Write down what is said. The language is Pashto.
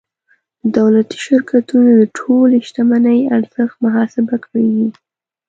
د دولتي شرکتونو د ټولې شتمنۍ ارزښت محاسبه کیږي.